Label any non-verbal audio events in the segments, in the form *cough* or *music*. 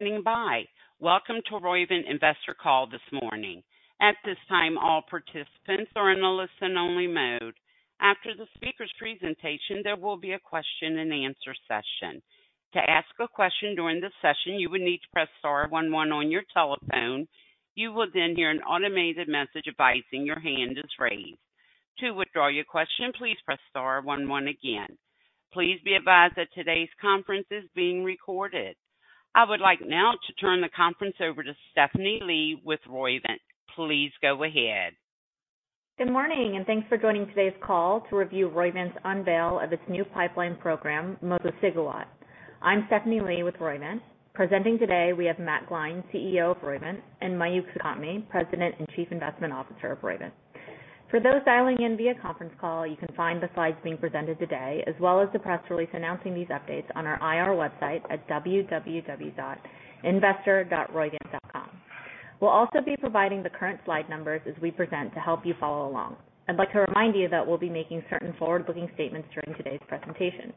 Standing by. Welcome to Roivant Investor Call this morning. At this time, all participants are in a listen-only mode. After the speaker's presentation, there will be a question-and-answer session. To ask a question during the session, you will need to press star one one on your telephone. You will then hear an automated message advising your hand is raised. To withdraw your question, please press star one one again. Please be advised that today's conference is being recorded. I would like now to turn the conference over to Stephanie Lee with Roivant. Please go ahead. Good morning, and thanks for joining today's call to review Roivant's unveil of its new pipeline program, Mosliciguat. I'm Stephanie Lee with Roivant. Presenting today, we have Matt Gline, CEO of Roivant, and Mayukh Sukhatme, President and Chief Investment Officer of Roivant. For those dialing in via conference call, you can find the slides being presented today, as well as the press release announcing these updates on our IR website at www.investor.roivant.com. We'll also be providing the current slide numbers as we present to help you follow along. I'd like to remind you that we'll be making certain forward-looking statements during today's presentation.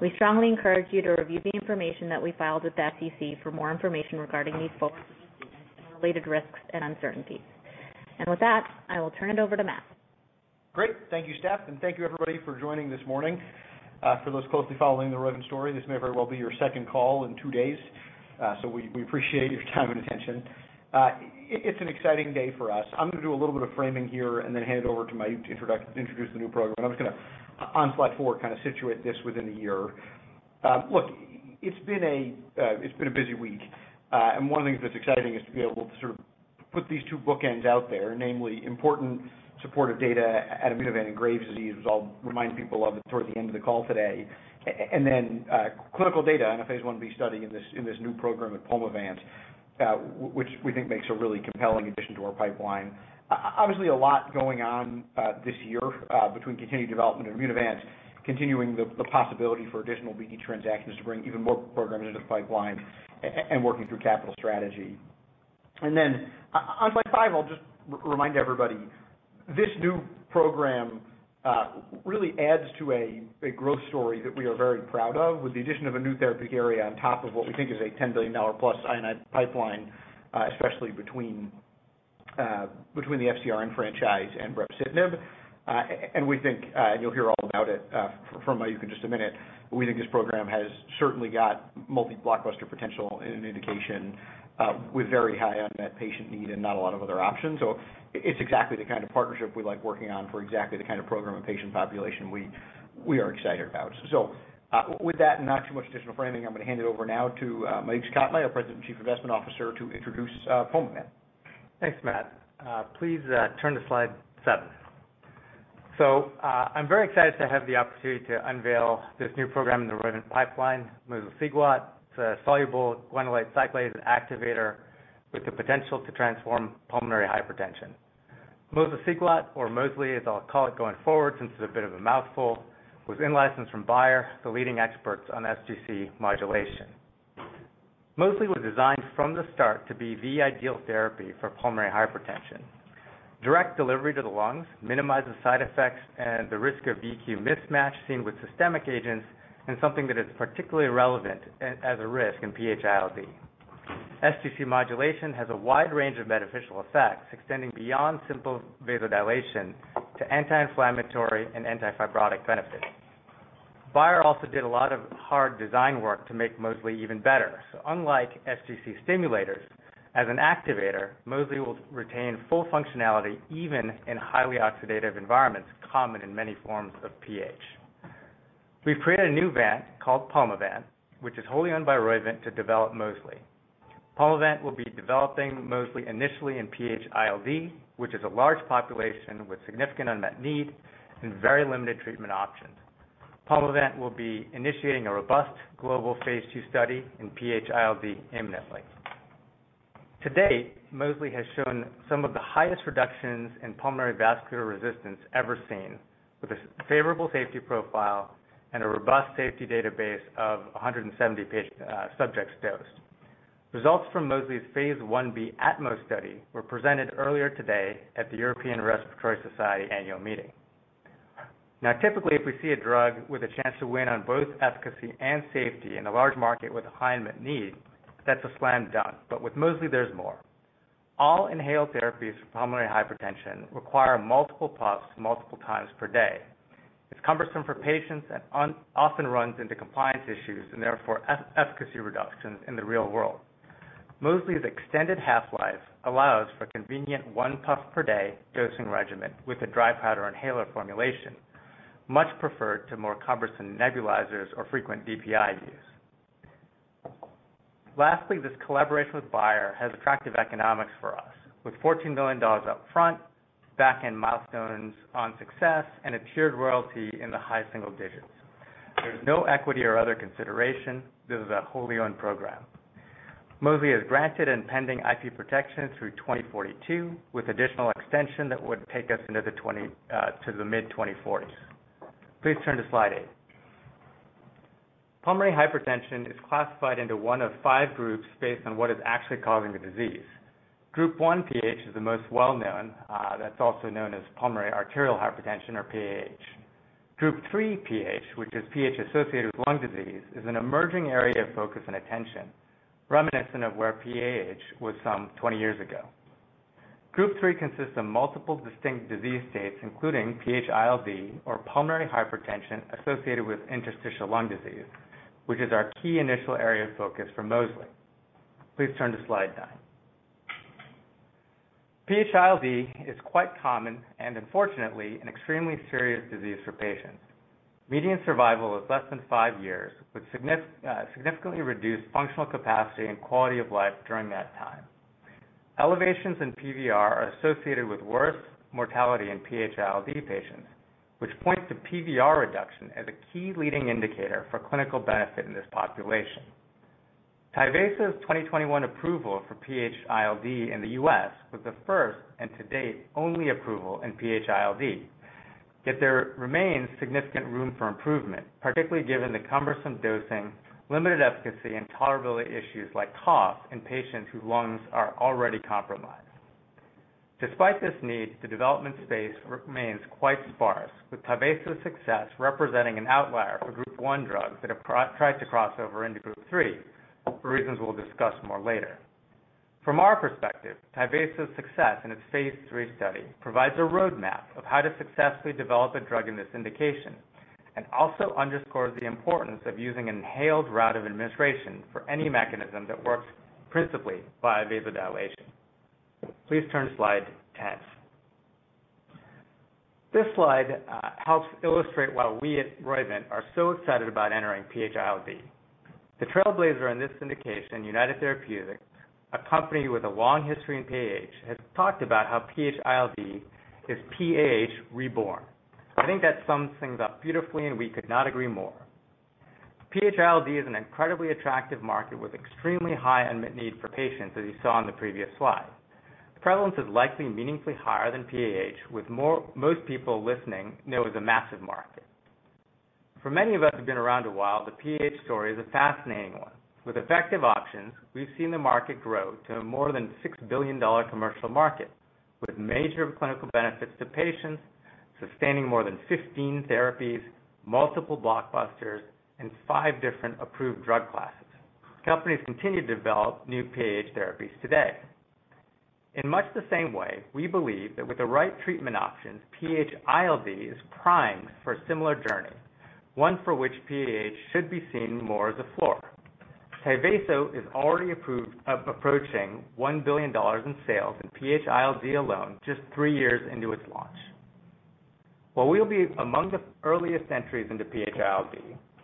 We strongly encourage you to review the information that we filed with the SEC for more information regarding these forward-looking statements and related risks and uncertainties. And with that, I will turn it over to Matt. Great. Thank you, Steph, and thank you everybody for joining this morning. For those closely following the Roivant story, this may very well be your second call in two days, so we appreciate your time and attention. It's an exciting day for us. I'm gonna do a little bit of framing here and then hand it over to Mayukh to introduce the new program. I'm just gonna, on slide four, kind of situate this within a year. Look, it's been a busy week, and one of the things that's exciting is to be able to sort of put these two bookends out there, namely important supportive data, Immunovant and Graves' disease, which I'll remind people of towards the end of the call today. And then clinical data in a phase I-B study in this new program with Pulmivant, which we think makes a really compelling addition to our pipeline. Obviously, a lot going on this year between continued development and Immunovant, continuing the possibility for additional BD transactions to bring even more programs into the pipeline, and working through capital strategy. And then on slide five, I'll just remind everybody, this new program really adds to a growth story that we are very proud of, with the addition of a new therapy area on top of what we think is a $10 billion-plus annualized pipeline, especially between the FcRn franchise and Brepocitinib. We think, and you'll hear all about it from Mayukh in just a minute, we think this program has certainly got multi-blockbuster potential in an indication with very high unmet patient need and not a lot of other options. So it's exactly the kind of partnership we like working on for exactly the kind of program and patient population we are excited about. So, with that, not too much additional framing, I'm going to hand it over now to Mayukh Sukhatme, our President and Chief Investment Officer, to introduce Pulmivant. Thanks, Matt. Please, turn to slide seven. So, I'm very excited to have the opportunity to unveil this new program in the Roivant pipeline, Mosliciguat. It's a soluble guanylate cyclase activator with the potential to transform pulmonary hypertension. Mosliciguat, or Mosley, as I'll call it going forward, since it's a bit of a mouthful, was in-licensed from Bayer, the leading experts on sGC modulation. Mosley was designed from the start to be the ideal therapy for pulmonary hypertension. Direct delivery to the lungs minimizes side effects and the risk of V/Q mismatch seen with systemic agents and something that is particularly relevant as a risk in PH-ILD. sGC modulation has a wide range of beneficial effects, extending beyond simple vasodilation to anti-inflammatory and anti-fibrotic benefits. Bayer also did a lot of hard design work to make Mosley even better. Unlike sGC stimulators, as an activator, Mosley will retain full functionality even in highly oxidative environments, common in many forms of PH. We've created a new entity called Pulmivant, which is wholly owned by Roivant to develop Mosley. Pulmivant will be developing Mosley initially in PH-ILD, which is a large population with significant unmet need and very limited treatment options. Pulmivant will be initiating a robust global phase II study in PH-ILD imminently. To date, Mosley has shown some of the highest reductions in pulmonary vascular resistance ever seen, with a favorable safety profile and a robust safety database of 170 subjects dosed. Results from Mosley's phase I-B ATMOS study were presented earlier today at the European Respiratory Society annual meeting. Now, typically, if we see a drug with a chance to win on both efficacy and safety in a large market with a high unmet need, that's a slam dunk. But with Mosley, there's more. All inhaled therapies for pulmonary hypertension require multiple puffs multiple times per day. It's cumbersome for patients and often runs into compliance issues and therefore efficacy reductions in the real world. Mosley's extended half-life allows for convenient one puff per day dosing regimen with a dry powder inhaler formulation, much preferred to more cumbersome nebulizers or frequent DPI use. Lastly, this collaboration with Bayer has attractive economics for us, with $14 million up front, back-end milestones on success, and a tiered royalty in the high single digits. There's no equity or other consideration. This is a wholly owned program. Mosley is granted and pending IP protection through 2042, with additional extension that would take us into the twenty to the mid-2040s. Please turn to slide eight. Pulmonary hypertension is classified into one of five groups based on what is actually causing the disease. Group 1 PAH is the most well-known, that's also known as pulmonary arterial hypertension or PAH, Group III PH, which is PH associated with lung disease, is an emerging area of focus and attention, reminiscent of where PAH was some twenty years ago. Group III consists of multiple distinct disease states, including PH-ILD, or pulmonary hypertension associated with interstitial lung disease, which is our key initial area of focus for Mosley. Please turn to slide nine. PH-ILD is quite common and unfortunately, an extremely serious disease for patients. Median survival is less than five years, with significantly reduced functional capacity and quality of life during that time. Elevations in PVR are associated with worse mortality in PH-ILD patients, which points to PVR reduction as a key leading indicator for clinical benefit in this population. TYVASO's 2021 approval for PH-ILD in the U.S. was the first, and to date, only approval in PH-ILD. Yet there remains significant room for improvement, particularly given the cumbersome dosing, limited efficacy, and tolerability issues like cough in patients whose lungs are already compromised. Despite this need, the development space remains quite sparse, with TYVASO's success representing an outlier for Group I drugs that have tried to cross over into Group III, for reasons we'll discuss more later. From our perspective, TYVASO's success in its phase III study provides a roadmap of how to successfully develop a drug in this indication, and also underscores the importance of using inhaled route of administration for any mechanism that works principally by vasodilation. Please turn to slide 10. This slide helps illustrate why we at Roivant are so excited about entering PH-ILD. The trailblazer in this indication, United Therapeutics, a company with a long history in PAH, has talked about how PH-ILD is PAH reborn. I think that sums things up beautifully, and we could not agree more. PH-ILD is an incredibly attractive market with extremely high unmet need for patients, as you saw in the previous slide. Prevalence is likely meaningfully higher than PAH, with more most people listening know is a massive market. For many of us who've been around a while, the PAH story is a fascinating one. With effective options, we've seen the market grow to a more than $6 billion commercial market, with major clinical benefits to patients, sustaining more than 15 therapies, multiple blockbusters, and five different approved drug classes. Companies continue to develop new PAH therapies today. In much the same way, we believe that with the right treatment options, PH-ILD is primed for a similar journey, one for which PAH should be seen more as a floor. TYVASO is already approved, approaching $1 billion in sales in PH-ILD alone, just three years into its launch. While we'll be among the earliest entries into PH-ILD,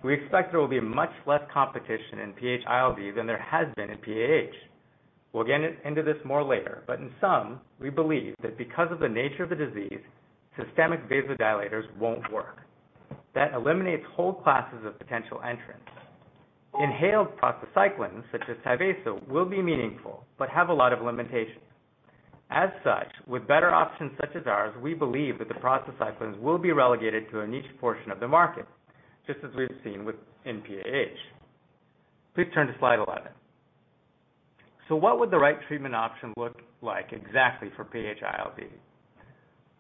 we expect there will be much less competition in PH-ILD than there has been in PAH. We'll get into this more later, but in sum, we believe that because of the nature of the disease, systemic vasodilators won't work. That eliminates whole classes of potential entrants. Inhaled prostacyclins, such as TYVASO, will be meaningful, but have a lot of limitations. As such, with better options such as ours, we believe that the prostacyclins will be relegated to a niche portion of the market, just as we've seen within PAH. Please turn to slide eleven. So what would the right treatment option look like exactly for PH-ILD?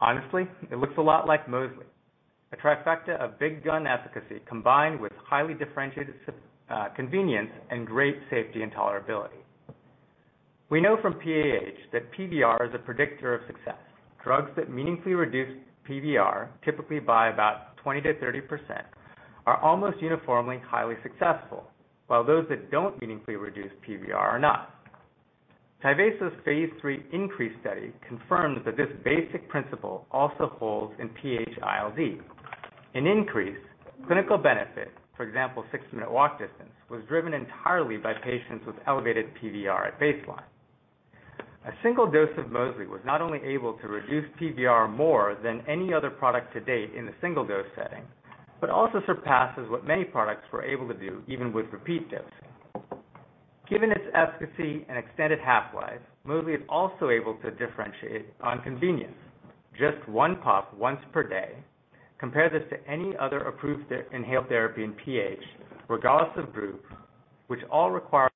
Honestly, it looks a lot like Mosley, a trifecta of big gun efficacy combined with highly differentiated convenience and great safety and tolerability. We know from PAH that PVR is a predictor of success. Drugs that meaningfully reduce PVR, typically by about 20%-30%, are almost uniformly highly successful, while those that don't meaningfully reduce PVR are not. TYVASO's phase III INCREASE study confirmed that this basic principle also holds in PH-ILD. In INCREASE, clinical benefit, for example, six-minute walk distance, was driven entirely by patients with elevated PVR at baseline. A single dose of Mosley was not only able to reduce PVR more than any other product to date in the single dose setting, but also surpasses what many products were able to do even with repeat dosing. Given its efficacy and extended half-life, Mosley is also able to differentiate on convenience. Just one puff once per day, compare this to any other approved therapy, inhaled therapy in PAH, regardless of group, which all require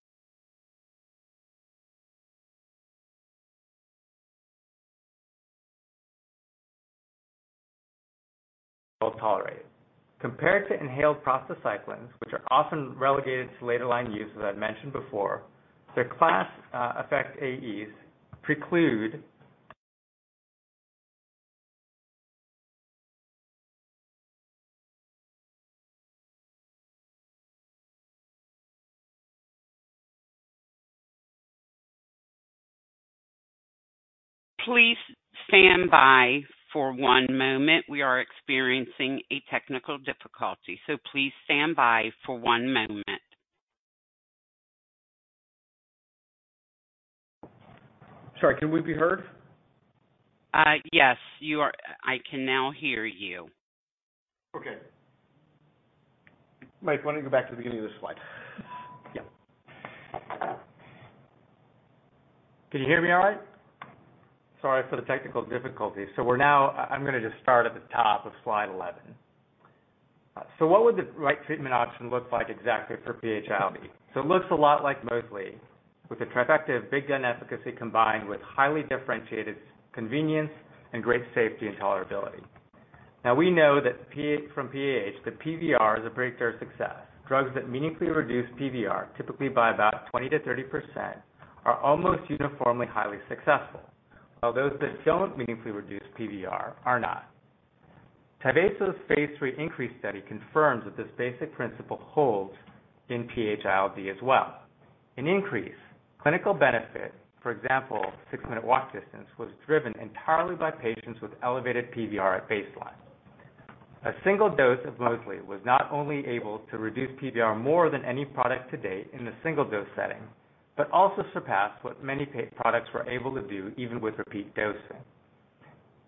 *audio distortion* well tolerated. Compared to inhaled prostacyclins, which are often relegated to later line use, as I've mentioned before, their class, effect AEs preclude- Please stand by for one moment. We are experiencing a technical difficulty, so please stand by for one moment. Sorry, can we be heard? Yes, you are. I can now hear you. Okay. Mayukh, why don't you go back to the beginning of the slide? Yeah. Can you hear me all right? Sorry for the technical difficulty. So we're now... I'm gonna just start at the top of slide 11. So what would the right treatment option look like exactly for PH-ILD? So it looks a lot like Mosley, with a trifecta of big gun efficacy combined with highly differentiated convenience and great safety and tolerability. Now, we know that PH, from PAH, that PVR is a predictor of success. Drugs that meaningfully reduce PVR, typically by about 20%-30%, are almost uniformly highly successful, while those that don't meaningfully reduce PVR are not. TYVASO's phase III INCREASE study confirms that this basic principle holds in PH-ILD as well. An INCREASE clinical benefit, for example, six-minute walk distance, was driven entirely by patients with elevated PVR at baseline. A single dose of Mosley was not only able to reduce PVR more than any product to date in the single dose setting, but also surpassed what many PAH products were able to do even with repeat dosing.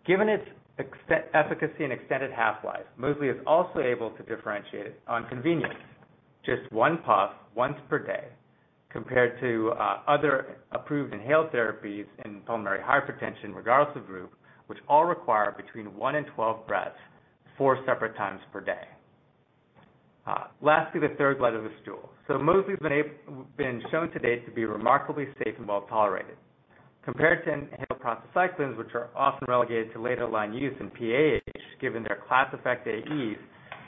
Given its extended efficacy and extended half-life, Mosley is also able to differentiate on convenience. Just one puff once per day, compared to other approved inhaled therapies in pulmonary hypertension, regardless of group, which all require between one and twelve breaths, four separate times per day. Lastly, the third leg of the stool. So Mosley's been shown to date to be remarkably safe and well-tolerated. Compared to inhaled prostacyclins, which are often relegated to later line use in PAH, given their class effect AEs,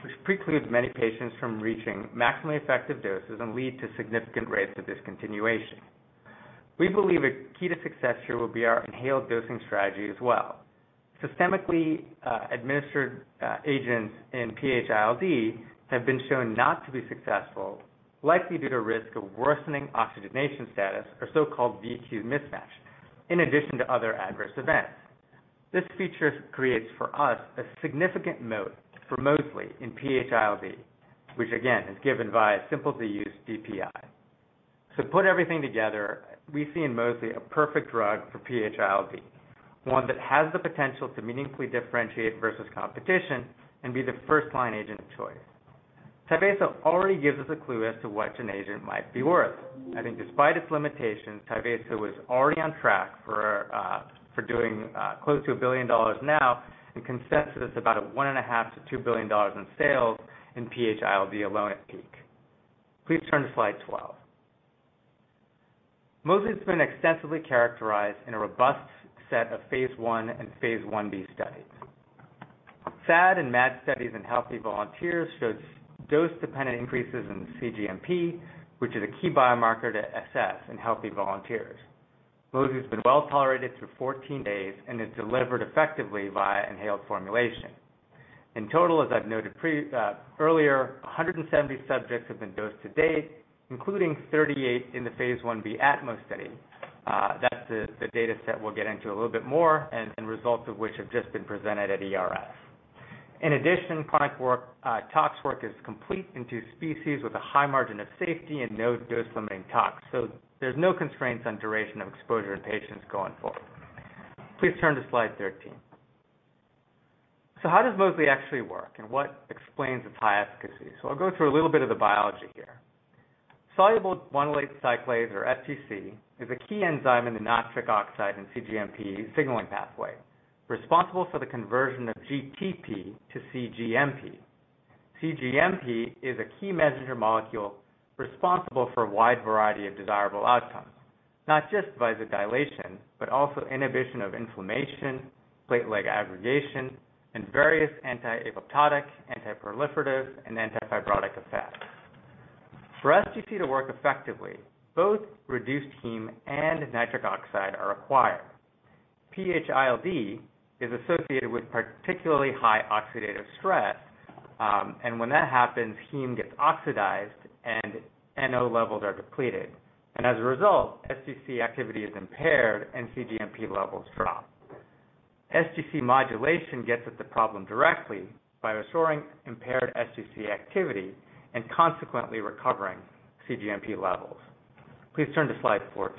which precludes many patients from reaching maximally effective doses and lead to significant rates of discontinuation. We believe a key to success here will be our inhaled dosing strategy as well. Systemically administered agents in PH-ILD have been shown not to be successful, likely due to risk of worsening oxygenation status or so-called V/Q mismatch, in addition to other adverse events. This feature creates for us a significant moat for Mosley in PH-ILD, which again, is given by a simple-to-use DPI. So put everything together, we see in Mosley a perfect drug for PH-ILD, one that has the potential to meaningfully differentiate versus competition and be the first-line agent of choice. TYVASO already gives us a clue as to what an agent might be worth. I think despite its limitations, TYVASO is already on track for doing close to $1 billion now, and consensus about $1.5-$2 billion in sales in PH-ILD alone at peak. Please turn to slide 12. Mosley's been extensively characterized in a robust set of phase I and phase I-B studies. SAD and MAD studies in healthy volunteers showed dose-dependent increases in cGMP, which is a key biomarker to assess in healthy volunteers. Mosley has been well-tolerated through 14 days and is delivered effectively via inhaled formulation. In total, as I've noted previously, earlier, 170 subjects have been dosed to date, including 38 in the phase I-B ATMOS study. That's the data set we'll get into a little bit more and results of which have just been presented at ERS. In addition, product work, tox work is complete in two species with a high margin of safety and no dose-limiting tox, so there's no constraints on duration of exposure in patients going forward. Please turn to slide thirteen. How does Mosley actually work, and what explains its high efficacy? I'll go through a little bit of the biology here. Soluble guanylate cyclase, or sGC, is a key enzyme in the nitric oxide and cGMP signaling pathway, responsible for the conversion of GTP to cGMP. cGMP is a key messenger molecule responsible for a wide variety of desirable outcomes, not just vasodilation, but also inhibition of inflammation, platelet aggregation, and various anti-apoptotic, anti-proliferative, and anti-fibrotic effects. For sGC to work effectively, both reduced heme and nitric oxide are required. PH-ILD is associated with particularly high oxidative stress, and when that happens, heme gets oxidized and NO levels are depleted. And as a result, sGC activity is impaired and cGMP levels drop. sGC modulation gets at the problem directly by restoring impaired sGC activity and consequently recovering cGMP levels. Please turn to slide 14.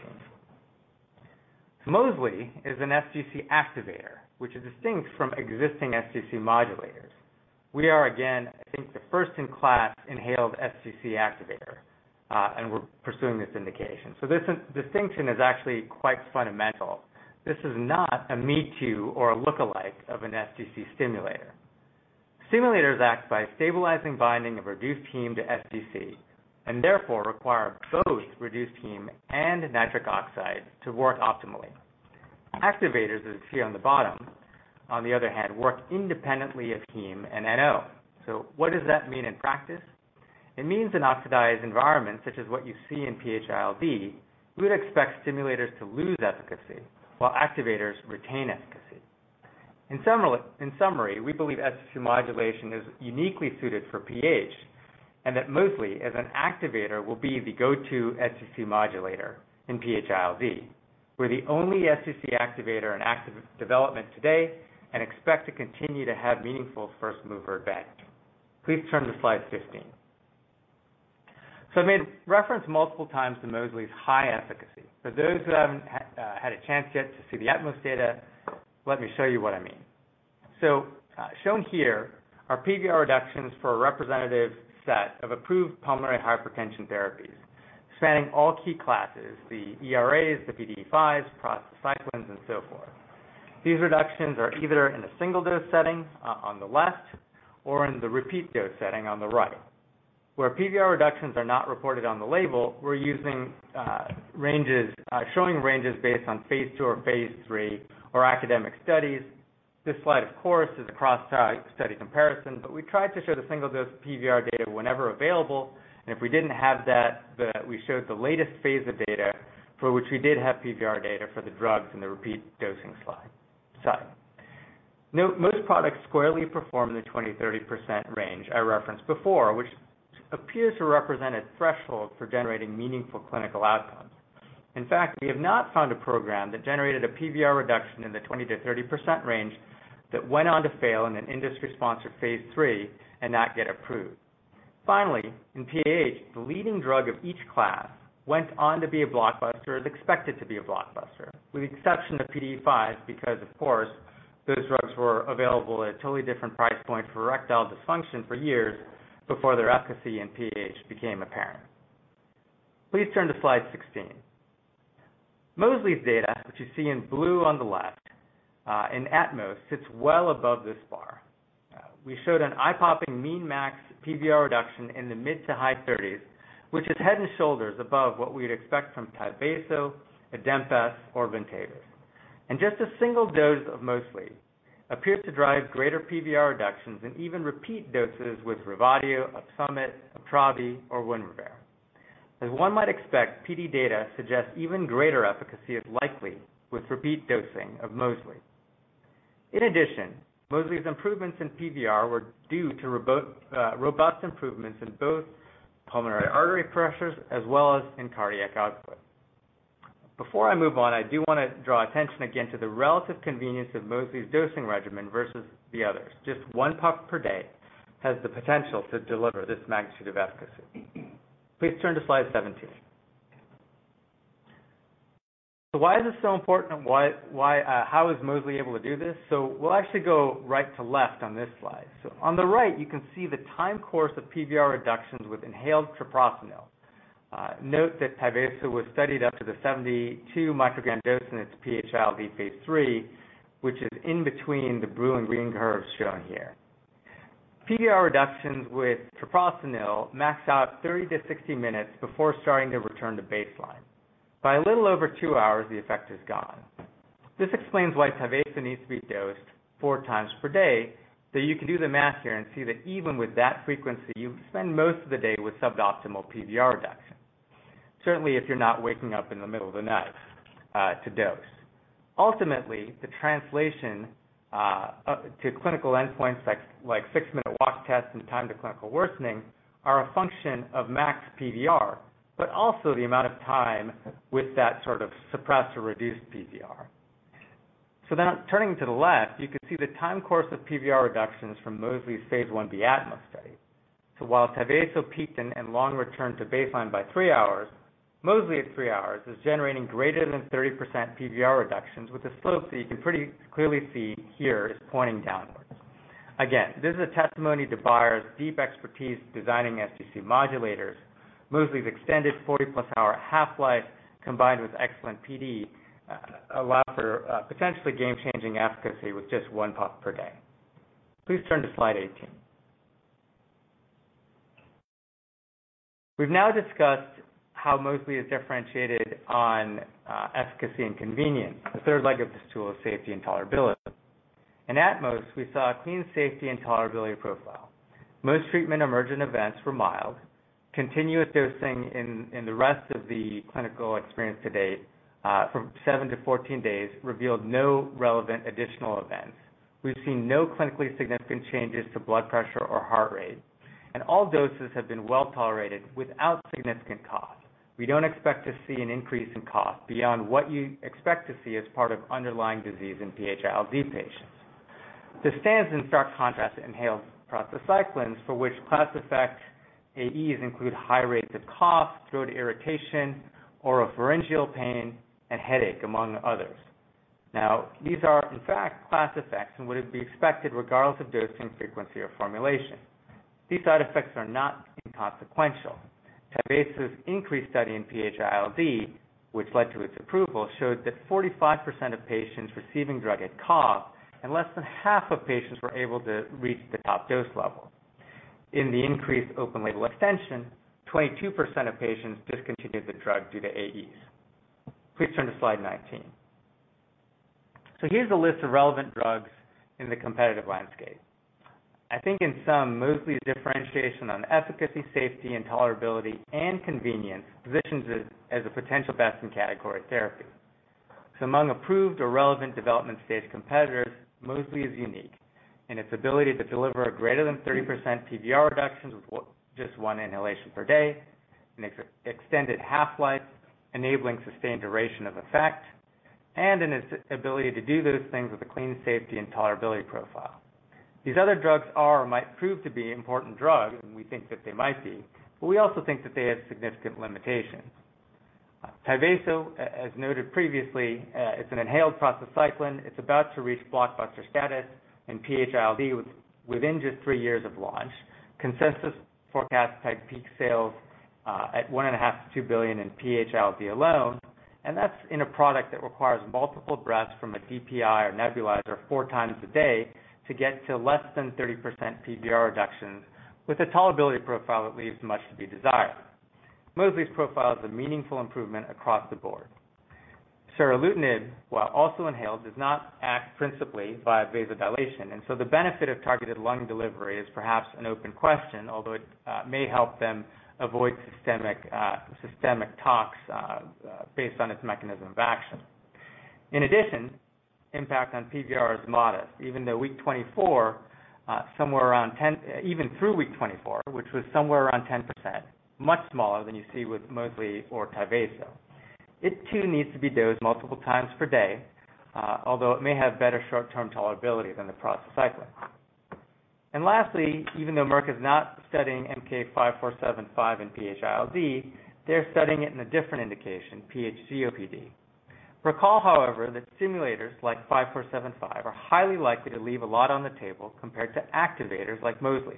So Mosley is an sGC activator, which is distinct from existing sGC modulators. We are, again, I think, the first-in-class inhaled sGC activator, and we're pursuing this indication. So this distinction is actually quite fundamental. This is not a me-too or a look-alike of an sGC stimulator. Stimulators act by stabilizing binding of reduced heme to sGC, and therefore require both reduced heme and nitric oxide to work optimally. Activators, as you see on the bottom, on the other hand, work independently of heme and NO. So what does that mean in practice? It means an oxidized environment, such as what you see in PH-ILD. We would expect stimulators to lose efficacy, while activators retain efficacy. In summary, we believe sGC modulation is uniquely suited for PH, and that Mosley as an activator will be the go-to sGC modulator in PH-ILD. We're the only sGC activator in active development today and expect to continue to have meaningful first-mover advantage. Please turn to slide fifteen. I made reference multiple times to Mosley's high efficacy. For those who haven't had a chance yet to see the ATMOS data, let me show you what I mean. So shown here are PVR reductions for a representative set of approved pulmonary hypertension therapies, spanning all key classes, the ERAs, the PDE5s, prostacyclins, and so forth. These reductions are either in a single dose setting on the left, or in the repeat dose setting on the right. Where PVR reductions are not reported on the label, we're using ranges showing ranges based on phase II or phase III, or academic studies. This slide, of course, is a cross-study comparison, but we tried to show the single-dose PVR data whenever available, and if we didn't have that, we showed the latest phase of data for which we did have PVR data for the drugs in the repeat dosing slide. Note, most products squarely perform in the 20-30% range I referenced before, which appears to represent a threshold for generating meaningful clinical outcomes. In fact, we have not found a program that generated a PVR reduction in the 20-30% range that went on to fail in an industry-sponsored phase III and not get approved. Finally, in PAH, the leading drug of each class went on to be a blockbuster, is expected to be a blockbuster, with the exception of PDE5, because, of course, those drugs were available at a totally different price point for erectile dysfunction for years before their efficacy in PAH became apparent. Please turn to slide 16. Mosley's data, which you see in blue on the left, in ATMOS, sits well above this bar. We showed an eye-popping mean max PVR reduction in the mid- to high 30s%, which is head and shoulders above what we'd expect from TYVASO, Adempas, or Ventavis. Just a single dose of Mosley appears to drive greater PVR reductions than even repeat doses with Revatio, Opsumit, Uptravi, or Winrevair. As one might expect, PD data suggests even greater efficacy is likely with repeat dosing of Mosley. In addition, Mosley's improvements in PVR were due to robust improvements in both pulmonary artery pressures as well as in cardiac output. Before I move on, I do wanna draw attention again to the relative convenience of Mosley's dosing regimen versus the others. Just one puff per day has the potential to deliver this magnitude of efficacy. Please turn to slide seventeen. So why is this so important, and why, how is Mosley able to do this? So we'll actually go right to left on this slide. So on the right, you can see the time course of PVR reductions with inhaled treprostinil. Note that TYVASO was studied up to the 72 microgram dose in its PH-ILD phase III, which is in between the blue and green curves shown here. PVR reductions with treprostinil max out 30 to 60 minutes before starting to return to baseline. By a little over two hours, the effect is gone. This explains why TYVASO needs to be dosed four times per day, that you can do the math here and see that even with that frequency, you spend most of the day with suboptimal PVR reduction. Certainly, if you're not waking up in the middle of the night to dose. Ultimately, the translation to clinical endpoints like Six-Minute Walk Test and time to clinical worsening are a function of max PVR, but also the amount of time with that sort of suppressed or reduced PVR. So then turning to the left, you can see the time course of PVR reductions from Mosley's Phase I-B ATMOS study. So while TYVASO peaked and then long returned to baseline by three hours, Mosley at three hours is generating greater than 30% PVR reductions with a slope that you can pretty clearly see here is pointing downwards. Again, this is a testimony to Bayer's deep expertise designing sGC modulators. Mosley's extended 40-plus hour half-life, combined with excellent PD, allow for potentially game-changing efficacy with just one puff per day. Please turn to slide 18. We've now discussed how Mosley is differentiated on efficacy and convenience. The third leg of this stool is safety and tolerability. In ATMOS, we saw a clean safety and tolerability profile. Most treatment emergent events were mild. Continuous dosing in the rest of the clinical experience to date, from seven to 14 days, revealed no relevant additional events. We've seen no clinically significant changes to blood pressure or heart rate, and all doses have been well tolerated without significant AEs. We don't expect to see an increase in AEs beyond what you expect to see as part of underlying disease in PH-ILD patients. This stands in stark contrast to inhaled prostacyclins, for which class effect AEs include high rates of cough, throat irritation, oropharyngeal pain, and headache, among others. Now, these are, in fact, class effects and would be expected regardless of dosing frequency or formulation. These side effects are not inconsequential. TYVASO's INCREASE study in PH-ILD, which led to its approval, showed that 45% of patients receiving drug had cough, and less than half of patients were able to reach the top dose level. In the INCREASE open label extension, 22% of patients discontinued the drug due to AEs. Please turn to slide 19. So here's a list of relevant drugs in the competitive landscape. I think in sum, Mosley's differentiation on efficacy, safety, and tolerability, and convenience, positions it as a potential best-in-category therapy. So among approved or relevant development-stage competitors, Mosley is unique in its ability to deliver a greater than 30% PVR reductions with just one inhalation per day, an extended half-life, enabling sustained duration of effect, and in its ability to do those things with a clean safety and tolerability profile. These other drugs are, or might prove to be important drugs, and we think that they might be, but we also think that they have significant limitations. TYVASO, as noted previously, is an inhaled prostacyclin. It's about to reach blockbuster status in PH-ILD within just three years of launch. Consensus forecast peak sales at $1.5-$2 billion in PH-ILD alone, and that's in a product that requires multiple breaths from a DPI or nebulizer four times a day to get to less than 30% PVR reductions, with a tolerability profile that leaves much to be desired. Mosley's profile is a meaningful improvement across the board. Seralutinib, while also inhaled, does not act principally by vasodilation, and so the benefit of targeted lung delivery is perhaps an open question, although it may help them avoid systemic tox based on its mechanism of action. In addition, impact on PVR is modest, even through week 24, which was somewhere around 10%, much smaller than you see with Mosley or TYVASO. It, too, needs to be dosed multiple times per day, although it may have better short-term tolerability than the prostacyclin. Lastly, even though Merck is not studying MK-5475 in PH-ILD, they're studying it in a different indication, PH-COPD. Recall, however, that stimulators like MK-5475 are highly likely to leave a lot on the table compared to activators like Mosley,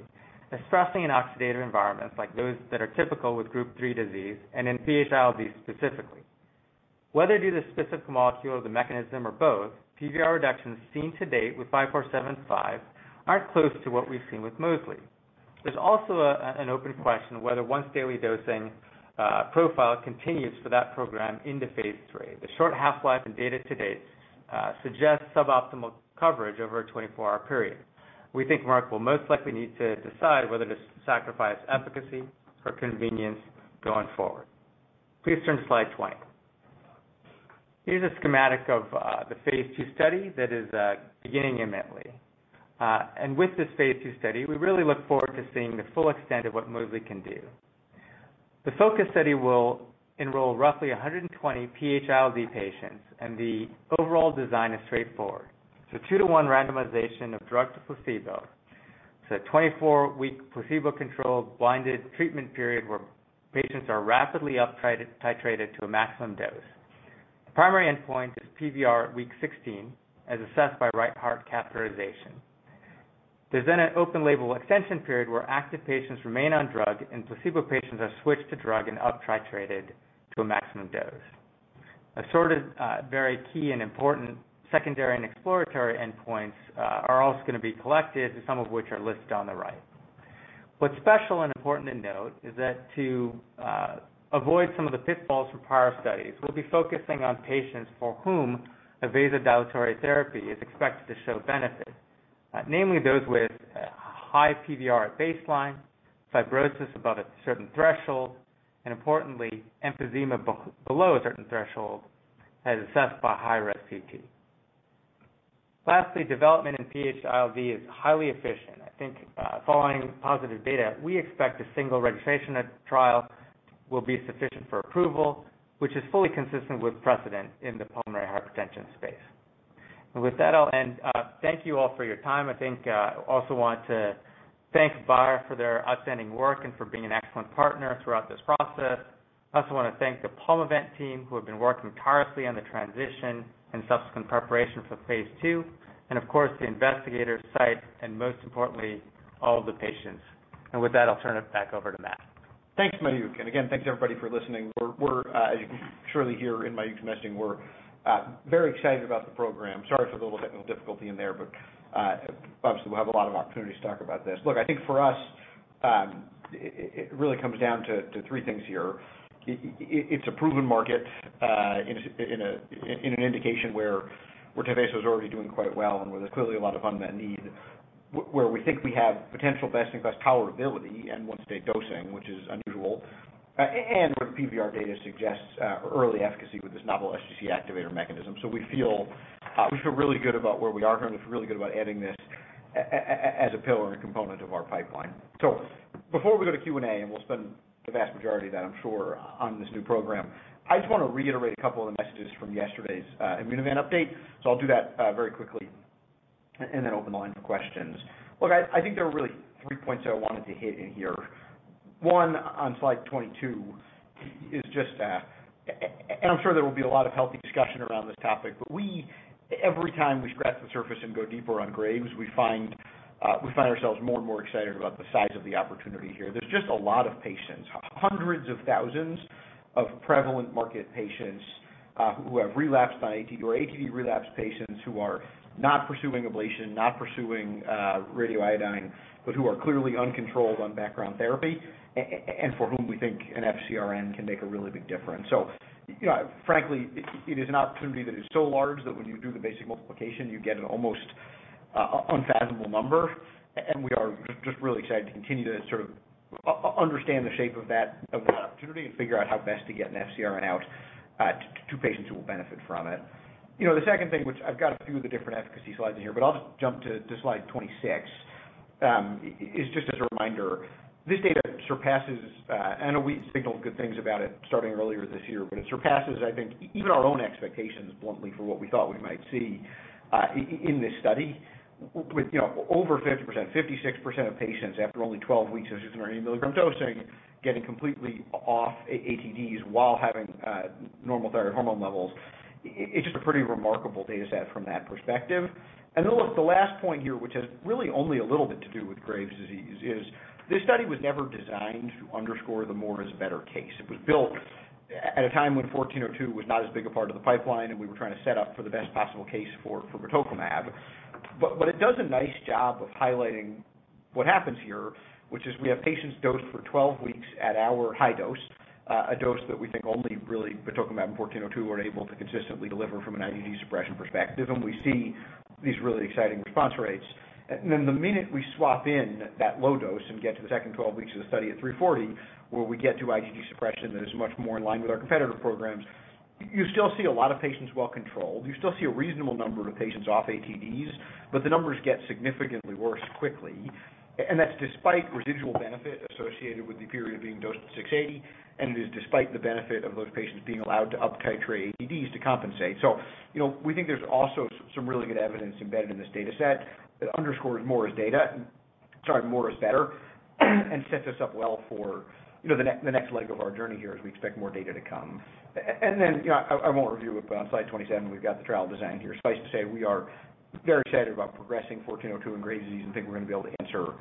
especially in oxidative environments like those that are typical with Group Three disease and in PH-ILD specifically. Whether due to the specific molecule, the mechanism or both, PVR reductions seen to date with MK-5475 aren't close to what we've seen with Mosley. There's also an open question whether once daily dosing profile continues for that program into phase III. The short half-life and data to date suggests suboptimal coverage over a twenty-four-hour period. We think Merck will most likely need to decide whether to sacrifice efficacy or convenience going forward. Please turn to slide twenty. Here's a schematic of the phase II study that is beginning immediately. And with this phase II study, we really look forward to seeing the full extent of what Mosley can do. The FOCUS study will enroll roughly 120 PH-ILD patients, and the overall design is straightforward. So two-to-one randomization of drug to placebo, so a 24-week placebo-controlled, blinded treatment period, where patients are rapidly uptitrated to a maximum dose. The primary endpoint is PVR at week 16, as assessed by right heart catheterization. There's then an open-label extension period, where active patients remain on drug, and placebo patients are switched to drug and uptitrated to a maximum dose. A sort of very key and important secondary and exploratory endpoints are also gonna be collected, some of which are listed on the right. What's special and important to note is that to avoid some of the pitfalls from prior studies, we'll be focusing on patients for whom a vasodilatory therapy is expected to show benefit, namely those with high PVR at baseline, fibrosis above a certain threshold, and importantly, emphysema below a certain threshold, as assessed by high-resolution CT. Lastly, development in PH-ILD is highly efficient. I think, following positive data, we expect a single registrational trial will be sufficient for approval, which is fully consistent with precedent in the pulmonary hypertension space. And with that, I'll end. Thank you all for your time. I think I also want to thank Bayer for their outstanding work and for being an excellent partner throughout this process. I also wanna thank the Pulmivant team, who have been working tirelessly on the transition and subsequent preparation for phase II, and of course, the investigators, sites, and most importantly, all of the patients, and with that, I'll turn it back over to Matt. Thanks, Mayukh. And again, thanks, everybody, for listening. We're as you can surely hear in Mayukh's messaging, we're very excited about the program. Sorry for the little technical difficulty in there, but obviously, we'll have a lot of opportunities to talk about this. Look, I think for us, it really comes down to three things here. It's a proven market in an indication where TYVASO is already doing quite well and where there's clearly a lot of unmet need. Where we think we have potential best-in-class tolerability and once-day dosing, which is unusual, and where PVR data suggests early efficacy with this novel sGC activator mechanism. So we feel, we feel really good about where we are here, and we feel really good about adding this as a pillar and a component of our pipeline. So before we go to Q&A, and we'll spend the vast majority of that, I'm sure, on this new program, I just wanna reiterate a couple of the messages from yesterday's Immunovant update. So I'll do that very quickly and then open the line for questions. Look, I think there are really three points I wanted to hit in here. One, on slide twenty-two, is just... I'm sure there will be a lot of healthy discussion around this topic, but every time we scratch the surface and go deeper on Graves, we find ourselves more and more excited about the size of the opportunity here. There's just a lot of patients, hundreds of thousands of prevalent market patients, who have relapsed on ATD, ATD relapse patients who are not pursuing ablation, not pursuing radioiodine, but who are clearly uncontrolled on background therapy, and for whom we think an FcRn can make a really big difference. You know, frankly, it is an opportunity that is so large that when you do the basic multiplication, you get an almost unfathomable number. And we are just really excited to continue to sort of understand the shape of that opportunity and figure out how best to get an FcRn out to patients who will benefit from it. You know, the second thing, which I've got a few of the different efficacy slides in here, but I'll just jump to slide 26, is just as a reminder, this data surpasses. I know we signaled good things about it starting earlier this year, but it surpasses, I think, even our own expectations, bluntly, for what we thought we might see in this study. With you know, over 50%, 56% of patients after only 12 weeks of 600 milligram dosing, getting completely off ATDs while having normal thyroid hormone levels. It's just a pretty remarkable data set from that perspective. Then, look, the last point here, which has really only a little bit to do with Graves' disease, is this study was never designed to underscore the more is better case. It was built at a time when 1402 was not as big a part of the pipeline, and we were trying to set up for the best possible case for, for rituximab. But it does a nice job of highlighting what happens here, which is we have patients dosed for 12 weeks at our high dose, a dose that we think only really batoclimab and 1402 are able to consistently deliver from an IgG suppression perspective, and we see these really exciting response rates. And then the minute we swap in that low dose and get to the second twelve weeks of the study at three forty, where we get to IgG suppression, that is much more in line with our competitor programs. You still see a lot of patients well controlled. You still see a reasonable number of patients off ATDs, but the numbers get significantly worse quickly, and that's despite residual benefit associated with the period of being dosed at six eighty, and it is despite the benefit of those patients being allowed to up titrate ATDs to compensate. So, you know, we think there's also some really good evidence embedded in this data set that underscores more is data, sorry, more is better, and sets us up well for, you know, the next leg of our journey here as we expect more data to come. And then, you know, I won't review it, but on slide 27, we've got the trial design here. Suffice to say, we are very excited about progressing 1402 in Graves' disease and think we're gonna be able to answer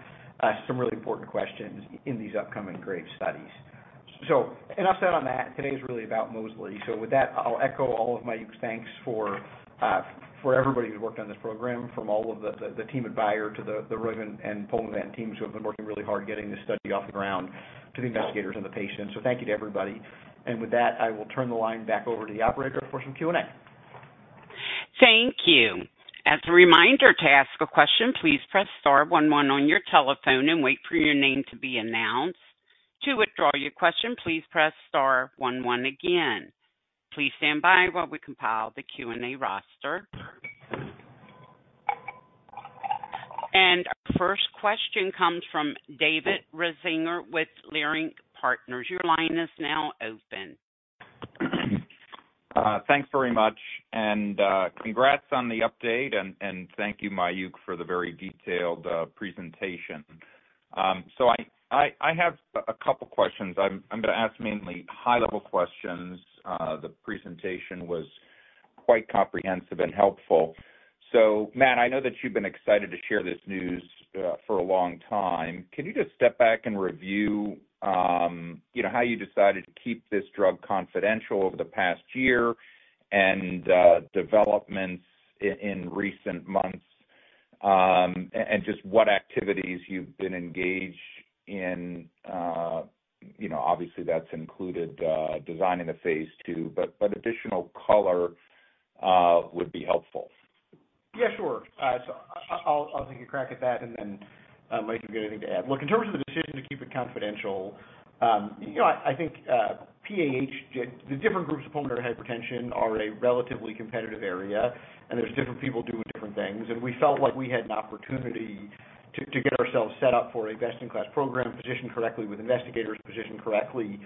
some really important questions in these upcoming Graves' studies. So, enough said on that, today is really about Mosley. So with that, I'll echo all of Mayukh's thanks for everybody who worked on this program, from all of the team at Bayer to the Roivant and Pulmivant teams who have been working really hard getting this study off the ground, to the investigators and the patients. So thank you to everybody. And with that, I will turn the line back over to the operator for some Q&A. Thank you. As a reminder to ask a question, please press star one one on your telephone and wait for your name to be announced. To withdraw your question, please press star one one again. Please stand by while we compile the Q&A roster, and our first question comes from David Risinger with Leerink Partners. Your line is now open. Thanks very much, and congrats on the update, and thank you, Mayukh, for the very detailed presentation. So I have a couple questions. I'm gonna ask mainly high-level questions. The presentation was quite comprehensive and helpful. So Matt, I know that you've been excited to share this news for a long time. Can you just step back and review, you know, how you decided to keep this drug confidential over the past year and developments in recent months, and just what activities you've been engaged in? You know, obviously, that's included designing the phase II, but additional color would be helpful. Yeah, sure. So I'll take a crack at that, and then, Mayukh, if you have anything to add. Look, in terms of the decision to keep it confidential, you know, I think, PAH, the different groups of pulmonary hypertension are a relatively competitive area, and there's different people doing different things. And we felt like we had an opportunity to get ourselves set up for a best-in-class program, positioned correctly with investigators, positioned correctly,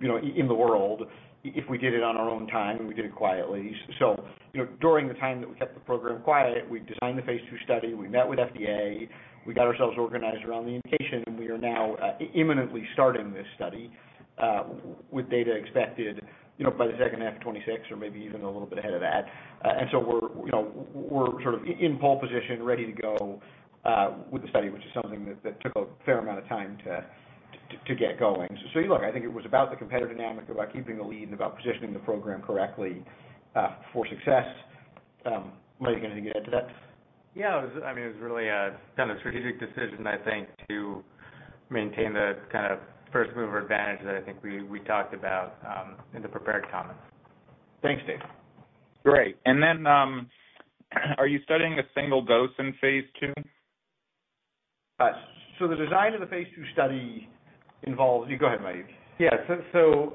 you know, in the world, if we did it on our own time, and we did it quietly. So, you know, during the time that we kept the program quiet, we designed the phase II study, we met with FDA, we got ourselves organized around the indication, and we are now imminently starting this study with data expected, you know, by the second half of 2026 or maybe even a little bit ahead of that. And so we're, you know, we're sort of in pole position, ready to go with the study, which is something that took a fair amount of time to get going. So you look, I think it was about the competitive dynamic, about keeping the lead, and about positioning the program correctly for success. Mayukh, anything to add to that? Yeah, it was, I mean, it was really kind of a strategic decision, I think, to maintain the kind of first-mover advantage that I think we talked about in the prepared comments. Thanks, Dave. Great. And then, are you studying a single dose in phase II? So the design of the phase II study involves... Yeah, go ahead, Mayukh. Yeah. So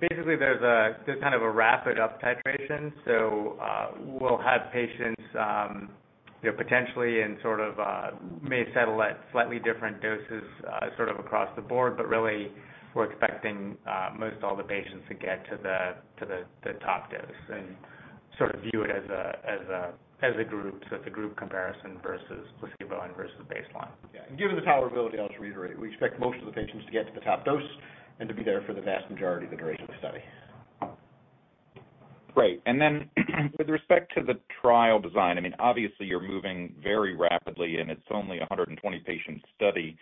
basically, there's kind of a rapid up titration. So we'll have patients, you know, potentially in sort of may settle at slightly different doses, sort of across the board, but really, we're expecting most all the patients to get to the top dose and sort of view it as a group, so it's a group comparison versus placebo and versus baseline. Yeah, and given the tolerability, I'll just reiterate, we expect most of the patients to get to the top dose and to be there for the vast majority of the duration of the study. Great. And then, with respect to the trial design, I mean, obviously, you're moving very rapidly, and it's only a 120-patient study,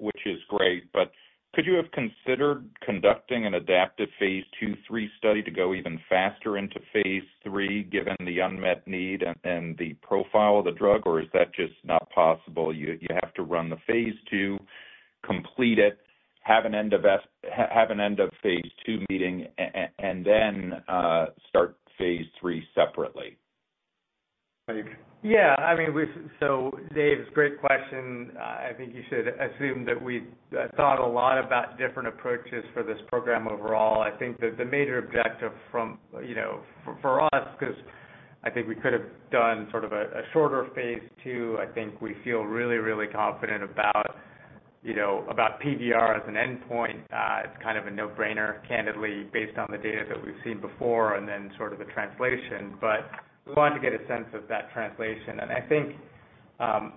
which is great. But could you have considered conducting an adaptive phase II/III study to go even faster into phase III, given the unmet need and the profile of the drug? Or is that just not possible? You have to run the phase II, complete it, have an end of phase II meeting, and then start phase III separately. Mayukh? Yeah, I mean, we've So Dave, it's a great question. I think you should assume that we've thought a lot about different approaches for this program overall. I think that the major objective from, you know, for us, 'cause I think we could have done sort of a shorter phase II. I think we feel really, really confident about, you know, about PVR as an endpoint. It's kind of a no-brainer, candidly, based on the data that we've seen before and then sort of the translation. But we want to get a sense of that translation. And I think,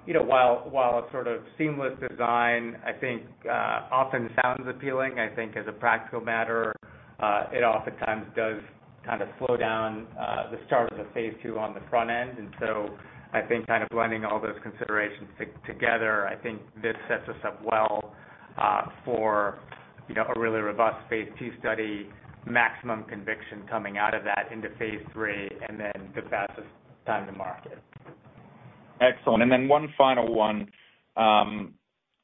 you know, while a sort of seamless design, I think often sounds appealing, I think as a practical matter, it oftentimes does kind of slow down the start of the phase II on the front end. And so I think kind of blending all those considerations together, I think this sets us up well, you know, a really robust phase II study, maximum conviction coming out of that into phase III, and then the fastest time to market. Excellent. And then one final one.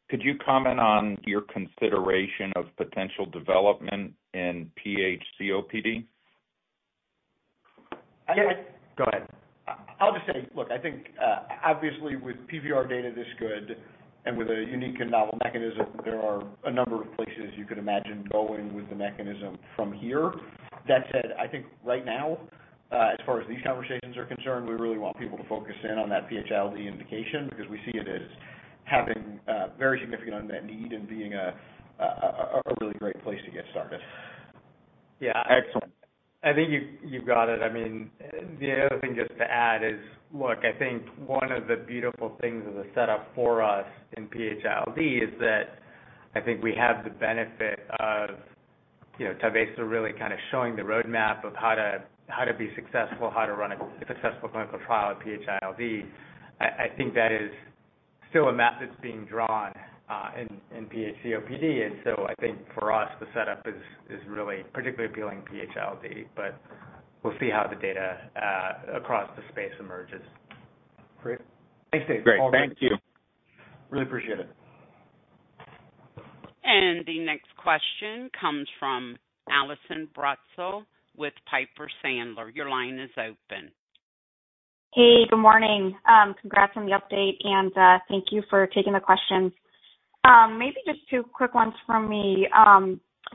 Could you comment on your consideration of potential development in PHCOPD? Go ahead. I'll just say, look, I think, obviously, with PVR data this good and with a unique and novel mechanism, there are a number of places you could imagine going with the mechanism from here. That said, I think right now, as far as these conversations are concerned, we really want people to focus in on that PH-ILD indication because we see it as having, very significant unmet need and being a, really great place to get started. Yeah. Excellent. I think you, you've got it. I mean, the other thing just to add is, look, I think one of the beautiful things in the setup for us in PH-ILD is that I think we have the benefit of, you know, TYVASO really kind of showing the roadmap of how to, how to be successful, how to run a successful clinical trial at PH-ILD. I think that is still a map that's being drawn in PH-COPD. And so I think for us, the setup is really particularly appealing in PH-ILD, but we'll see how the data across the space emerges. Great. Thanks, Dave. Great. Thank you. Really appreciate it. The next question comes from Allison Bratzel with Piper Sandler. Your line is open. Hey, good morning. Congrats on the update, and thank you for taking the questions. Maybe just two quick ones from me.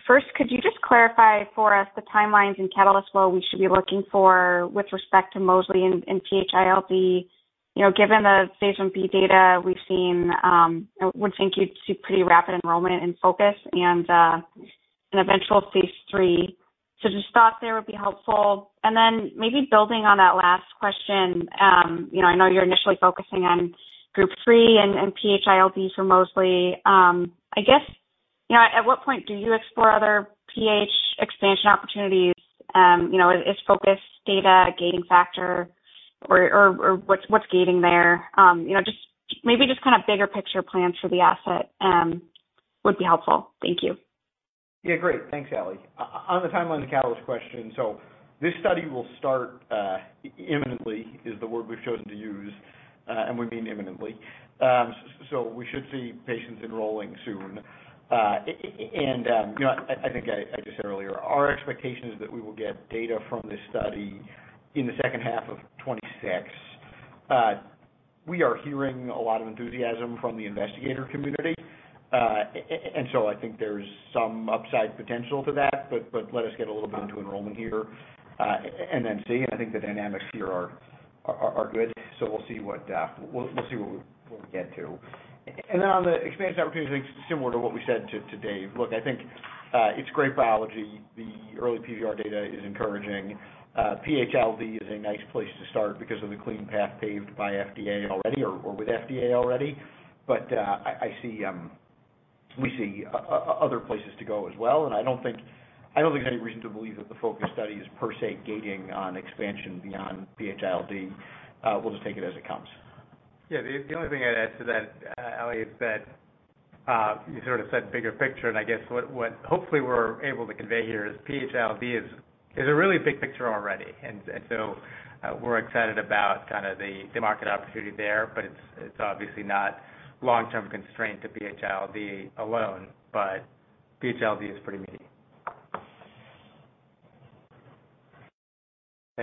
First, could you just clarify for us the timelines and catalyst flow we should be looking for with respect to Mosley in PH-ILD? You know, given the phase III-B data we've seen, I would think you'd see pretty rapid enrollment and FOCUS and an eventual phase 3. So just thought there would be helpful. And then maybe building on that last question, you know, I know you're initially focusing on Group 3 and PH-ILD for Mosley. I guess, you know, at what point do you explore other PH expansion opportunities? You know, is FOCUS data a gating factor, or what's gating there? You know, just maybe kind of bigger picture plans for the asset would be helpful. Thank you. Yeah, great. Thanks, Allie. On the timeline of the catalyst question, so this study will start imminently, is the word we've chosen to use, and we mean imminently. So we should see patients enrolling soon. And, you know, I think I just said earlier, our expectation is that we will get data from this study in the second half of 2026. We are hearing a lot of enthusiasm from the investigator community. And so I think there's some upside potential to that, but let us get a little bit into enrollment here, and then see. I think the dynamics here are good. So we'll see what we get to. And then on the expansion opportunities, similar to what we said to Dave. Look, I think it's great biology. The early PVR data is encouraging. PH-ILD is a nice place to start because of the clean path paved by FDA already or with FDA already. But I see. We see other places to go as well, and I don't think there's any reason to believe that the FOCUS study is per se gauging on expansion beyond PH-ILD. We'll just take it as it comes. Yeah, the only thing I'd add to that, Allie, is that you sort of said bigger picture, and I guess what hopefully we're able to convey here is PH-ILD is a really big picture already. And so, we're excited about kind of the market opportunity there, but it's obviously not long-term constraint to PH-ILD alone, but PH-ILD is pretty meaty.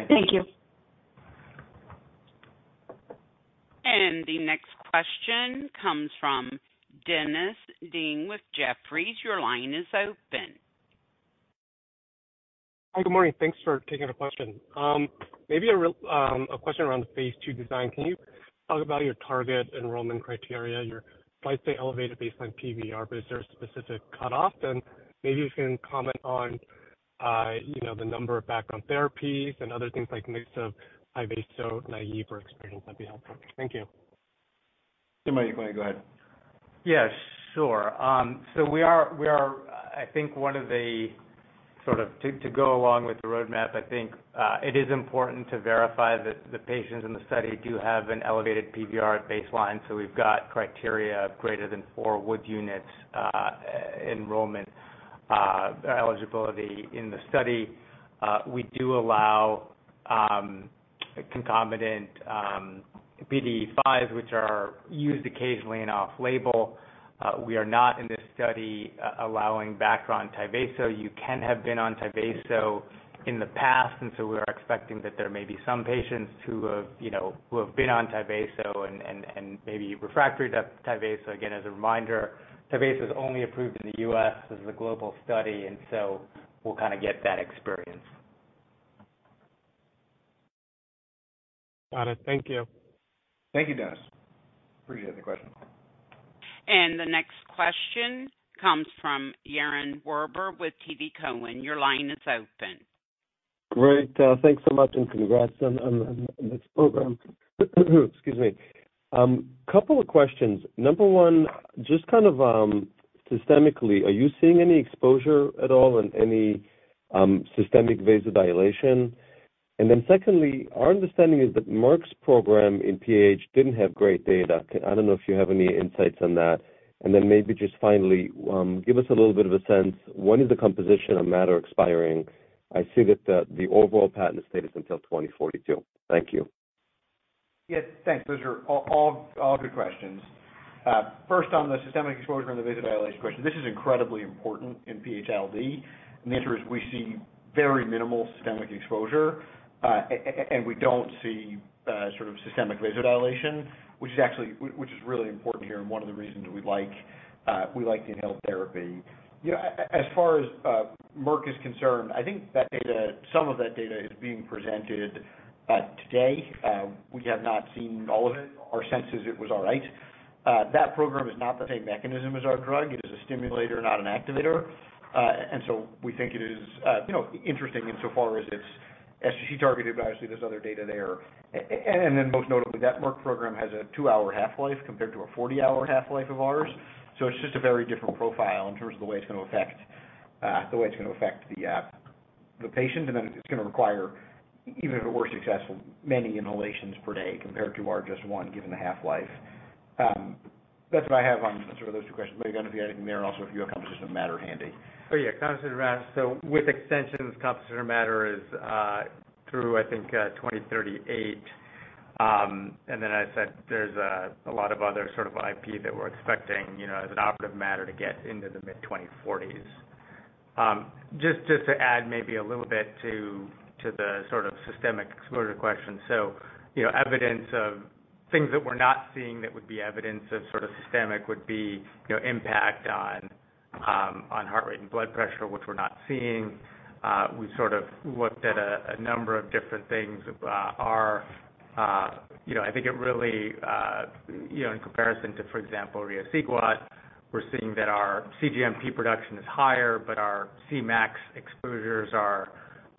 Thank you. The next question comes from Dennis Ding with Jefferies. Your line is open. Hi, good morning. Thanks for taking the question. Maybe a question around the phase 2 design. Can you talk about your target enrollment criteria, your, I'd say, elevated baseline PVR, but is there a specific cutoff? And maybe you can comment on, you know, the number of background therapies and other things like mix of high vaso, naive or experienced, that'd be helpful. Thank you. Sure, go ahead. Yes, sure. So we are, I think one of the, sort of, to go along with the roadmap, I think, it is important to verify that the patients in the study do have an elevated PVR at baseline, so we've got criteria of greater than four Wood units, enrollment eligibility in the study. We do allow concomitant PDE5, which are used occasionally in off-label. We are not in this study allowing background TYVASO. You can have been on TYVASO in the past, and so we are expecting that there may be some patients who have, you know, who have been on TYVASO and maybe refractory TYVASO. Again, as a reminder, TYVASO is only approved in the U.S. This is a global study, and so we'll kind of get that experience. Got it. Thank you. Thank you, Dennis. Appreciate the question. And the next question comes from Yaron Werber with TD Cowen. Your line is open. Great. Thanks so much, and congrats on this program. Excuse me. Couple of questions. Number one, just kind of, systemically, are you seeing any exposure at all and any, systemic vasodilation? And then secondly, our understanding is that Merck's program in PAH didn't have great data. I don't know if you have any insights on that. And then maybe just finally, give us a little bit of a sense, when is the composition of matter expiring? I see that the overall patent status until 2042. Thank you. Yes, thanks. Those are all good questions. First, on the systemic exposure and the vasodilation question, this is incredibly important in PH-ILD, and the answer is we see very minimal systemic exposure, and we don't see sort of systemic vasodilation, which is actually, which is really important here, and one of the reasons we like the inhaled therapy. You know, as far as Merck is concerned, I think that data, some of that data is being presented today. We have not seen all of it. Our sense is it was all right. That program is not the same mechanism as our drug. It is a stimulator, not an activator, and so we think it is, you know, interesting in so far as it's sGC targeted, but obviously, there's other data there. And then most notably, that Merck program has a two-hour half-life compared to a forty-hour half-life of ours. So it's just a very different profile in terms of the way it's gonna affect the patient. And then it's gonna require, even if it were successful, many inhalations per day compared to our just one, given the half-life. That's what I have on sort of those two questions. But, Mayukh, anything you can add in there, and also if you have composition of matter handy. Oh, yeah, composition of matter. So with extensions, composition of matter is through, I think, 2038. And then I said there's a lot of other sort of IP that we're expecting, you know, as an operative matter, to get into the mid-2040s. Just to add maybe a little bit to the sort of systemic exposure question. So, you know, evidence of things that we're not seeing that would be evidence of sort of systemic would be, you know, impact on heart rate and blood pressure, which we're not seeing. We sort of looked at a number of different things. Our, you know, I think it really, you know, in comparison to, for example, riociguat, we're seeing that our cGMP production is higher, but our Cmax exposures are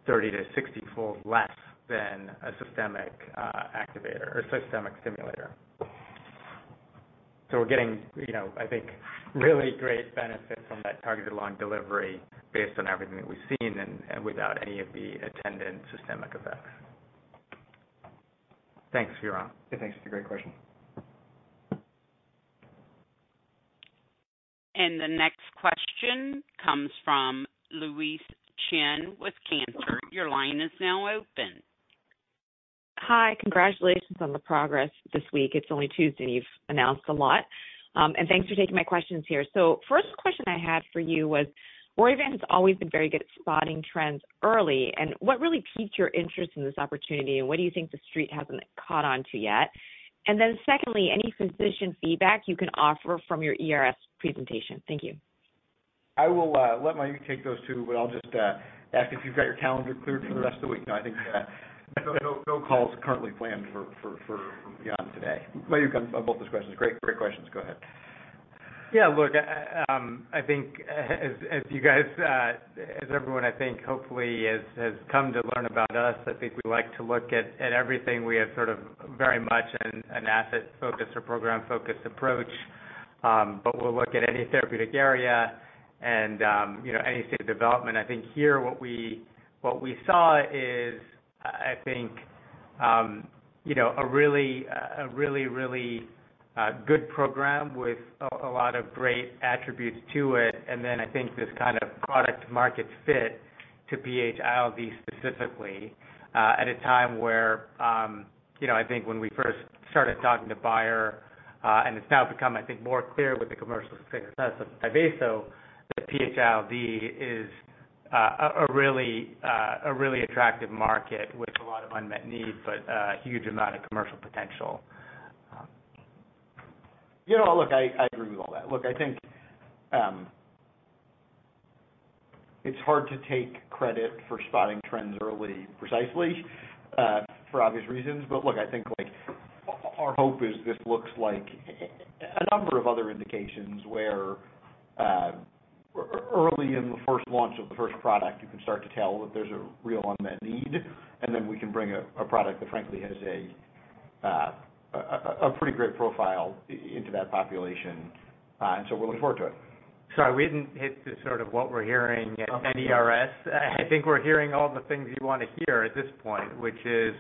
30- to 60-fold less than a systemic activator or systemic stimulator. So we're getting, you know, I think, really great benefit from that targeted lung delivery based on everything that we've seen and without any of the attendant systemic effects. Thanks, Vihang. Yeah, thanks. It's a great question. The next question comes from Louise Chen with Cantor Fitzgerald. Your line is now open. Hi. Congratulations on the progress this week. It's only Tuesday, and you've announced a lot. And thanks for taking my questions here. So first question I had for you was, Roivant has always been very good at spotting trends early, and what really piqued your interest in this opportunity, and what do you think the Street hasn't caught on to yet? And then secondly, any physician feedback you can offer from your ERS presentation? Thank you. I will let Mayukh take those two, but I'll just ask if you've got your calendar cleared for the rest of the week. No, I think no calls currently planned for beyond today. Mayukh, on both those questions. Great, great questions. Go ahead. Yeah, look, I think as you guys, as everyone, I think, hopefully has come to learn about us, I think we like to look at everything. We have sort of very much an asset-focused or program-focused approach, but we'll look at any therapeutic area and, you know, any state of development. I think here, what we saw is, I think, you know, a really, really good program with a lot of great attributes to it, and then I think this kind of product market fit to PH-ILD specifically, at a time where, you know, I think when we first started talking to Bayer, and it's now become, I think, more clear with the commercial success of TYVASO, that PH-ILD is, a really attractive market with a lot of unmet needs, but a huge amount of commercial potential. You know, look, I, I agree with all that. Look, I think, it's hard to take credit for spotting trends early, precisely, for obvious reasons. But look, I think, like, our hope is this looks like a number of other indications where, early in the first launch of the first product, you can start to tell that there's a real unmet need, and then we can bring a product that frankly has a pretty great profile into that population. And so we're looking forward to it. Sorry, we didn't hit the sort of what we're hearing at ERS. I think we're hearing all the things you want to hear at this point, which is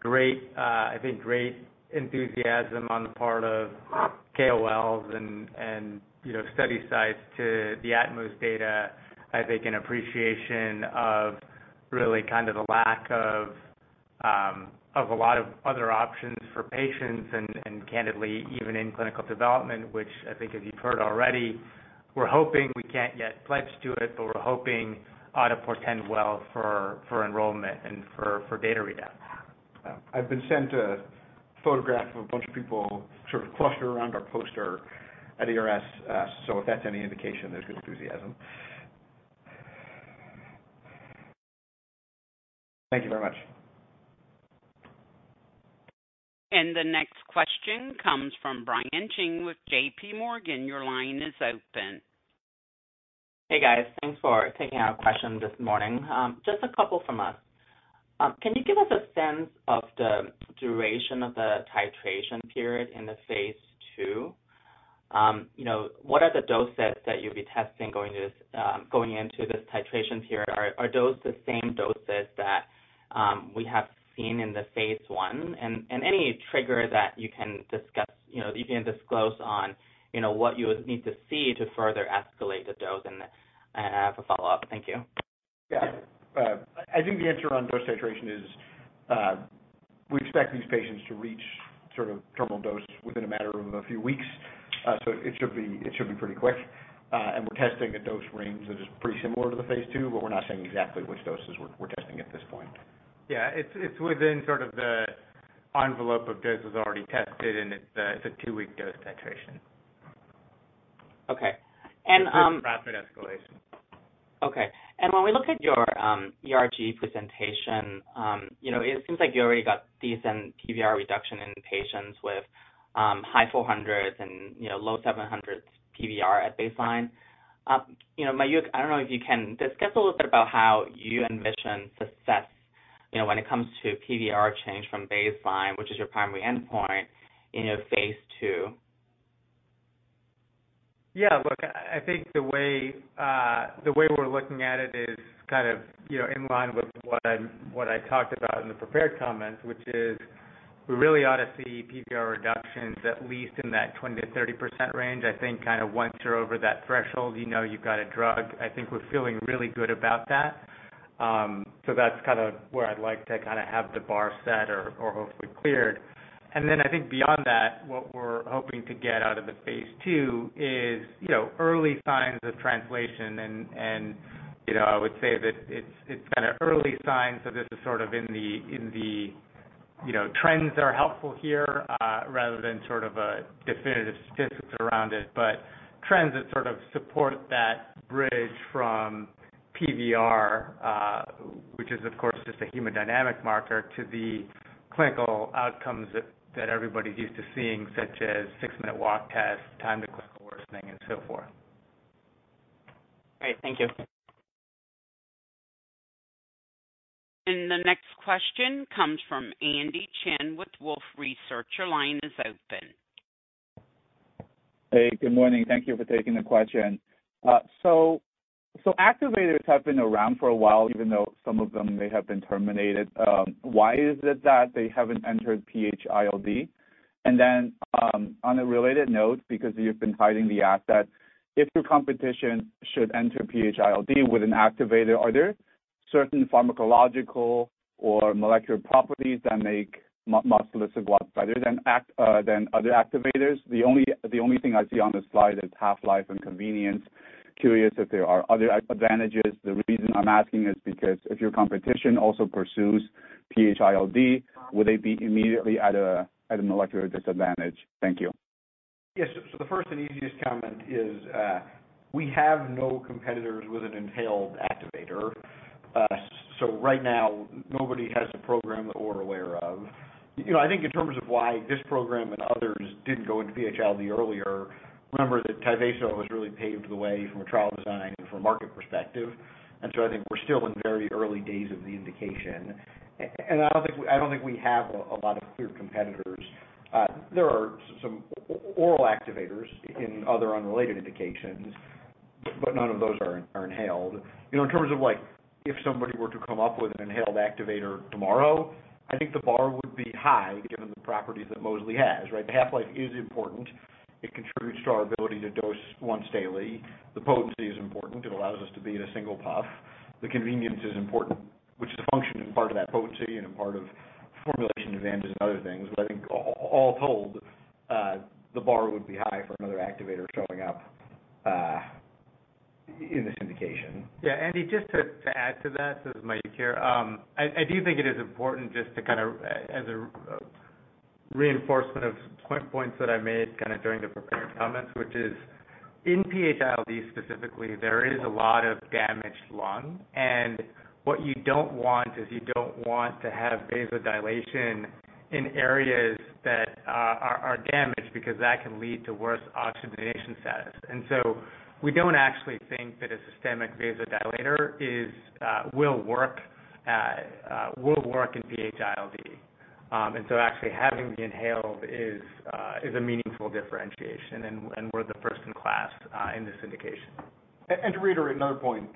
great. I think great enthusiasm on the part of KOLs and, you know, study sites to the ATMOS data. I think an appreciation of really kind of the lack of of a lot of other options for patients and candidly, even in clinical development, which I think as you've heard already, we're hoping we can't yet pledge to it, but we're hoping ought to portend well for enrollment and for data read out. Yeah. I've been sent a photograph of a bunch of people sort of clustered around our poster at ERS. So if that's any indication, there's good enthusiasm. Thank you very much. The next question comes from Brian Cheng with J.P. Morgan. Your line is open. Hey, guys. Thanks for taking our question this morning. Just a couple from us. Can you give us a sense of the duration of the titration period in the phase II? You know, what are the doses that you'll be testing going into this titration period? Are those the same doses that we have seen in the phase I? And any trigger that you can discuss, you know, you can disclose on, you know, what you would need to see to further escalate the dose? And I have a follow-up. Thank you. Yeah. I think the answer on dose titration is we expect these patients to reach sort of terminal dose within a matter of a few weeks, so it should be, it should be pretty quick, and we're testing a dose range that is pretty similar to the phase II, but we're not saying exactly which doses we're testing at this point. Yeah, it's within sort of the envelope of doses already tested, and it's a two-week dose titration. Okay. It's rapid escalation. Okay. When we look at your ERS presentation, you know, it seems like you already got decent PVR reduction in patients with high 400s and, you know, low 700s PVR at baseline. You know, Mayukh, I don't know if you can discuss a little bit about how you envision success, you know, when it comes to PVR change from baseline, which is your primary endpoint in your phase II. Yeah, look, I think the way, the way we're looking at it is kind of, you know, in line with what I talked about in the prepared comments, which is we really ought to see PVR reductions at least in that 20-30% range. I think kind of once you're over that threshold, you know you've got a drug. I think we're feeling really good about that. So that's kind of where I'd like to kind of have the bar set or hopefully cleared, and then I think beyond that, what we're hoping to get out of the phase II is, you know, early signs of translation. You know, I would say that it's kind of early signs, so this is sort of in the you know, trends that are helpful here, rather than sort of a definitive statistics around it. But trends that sort of support that bridge from PVR, which is, of course, just a hemodynamic marker, to the clinical outcomes that everybody's used to seeing, such as six-minute walk test, time to clinical worsening, and so forth. Great. Thank you. And the next question comes from Andy Chen with Wolfe Research. Your line is open. Hey, good morning. Thank you for taking the question. So, activators have been around for a while, even though some of them may have been terminated. Why is it that they haven't entered PH-ILD? And then, on a related note, because you've been hiding the assets, if your competition should enter PH-ILD with an activator, are there certain pharmacological or molecular properties that make Mosliciguat better than other activators? The only thing I see on the slide is half-life and convenience. Curious if there are other advantages. The reason I'm asking is because if your competition also pursues PH-ILD, will they be immediately at a molecular disadvantage? Thank you. Yes. So the first and easiest comment is, we have no competitors with an inhaled activator. So right now, nobody has a program that we're aware of. You know, I think in terms of why this program and others didn't go into PH-ILD earlier, remember that TYVASO has really paved the way from a trial design and from a market perspective. And so I think we're still in very early days of the indication. And I don't think we have a lot of clear competitors. There are some oral activators in other unrelated indications, but none of those are inhaled. You know, in terms of like, if somebody were to come up with an inhaled activator tomorrow, I think the bar would be high, given the properties that Mosley has, right? The half-life is important. It contributes to our ability to dose once daily. The potency is important. It allows us to be in a single puff. The convenience is important, which is a function and part of that potency and a part of formulation advantages and other things. But I think all told, the bar would be high for another activator showing up in this indication. Yeah, Andy, just to add to that, this is Mayukh here. I do think it is important just to kind of as a reinforcement of points that I made kind of during the prepared comments, which is in PH-ILD, specifically, there is a lot of damaged lung. And what you don't want is you don't want to have vasodilation in areas that are damaged, because that can lead to worse oxygenation status. And so we don't actually think that a systemic vasodilator will work in PH-ILD. And so actually having it inhaled is a meaningful differentiation, and we're the first in class in this indication. And to reiterate another point,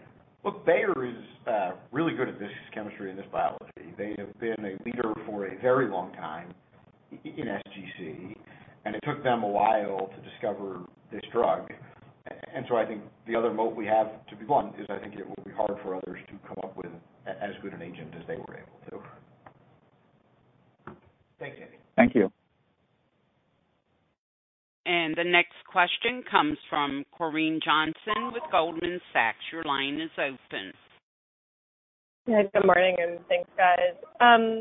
look, Bayer is really good at this chemistry and this biology. They have been a leader for a very long time in sGC, and it took them a while to discover this drug. And so I think the other moat we have to be one is I think it will be hard for others to come up with as good an agent as they were able to. Thanks, Andy. Thank you. And the next question comes from Corinne Johnson with Goldman Sachs. Your line is open. Good morning, and thanks, guys.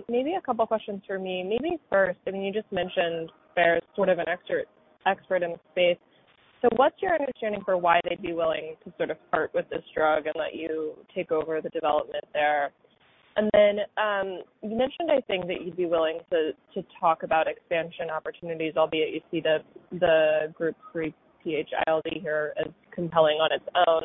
Maybe a couple questions for me. Maybe first, I mean, you just mentioned Bayer is sort of an expert in the space. So what's your understanding for why they'd be willing to sort of part with this drug and let you take over the development there? And then, you mentioned, I think, that you'd be willing to talk about expansion opportunities, albeit you see the group three PH-ILD here as compelling o n its own.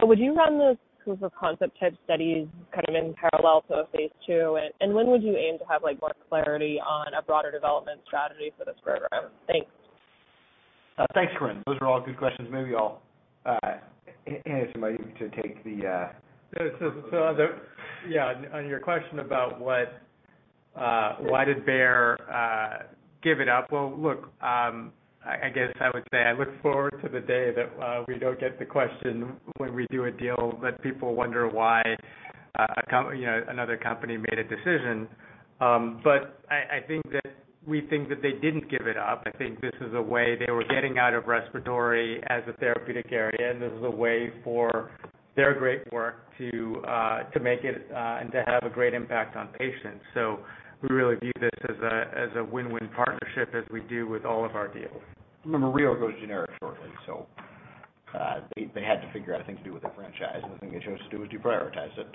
But would you run those proof-of-concept type studies kind of in parallel to a phase II? And when would you aim to have, like, more clarity on a broader development strategy for this program? Thanks. Thanks, Corinne. Those are all good questions. Maybe I'll hand it to Mayukh to take the, Yeah, so on your question about what, why did Bayer give it up? Well, look, I guess I would say I look forward to the day that we don't get the question when we do a deal, that people wonder why, you know, another company made a decision. But I think that we think that they didn't give it up. I think this is a way they were getting out of respiratory as a therapeutic area, and this is a way for their great work to make it and to have a great impact on patients. So we really view this as a win-win partnership, as we do with all of our deals. Remember, Rio goes generic shortly, so they had to figure out a thing to do with their franchise, and the thing they chose to do was deprioritize it.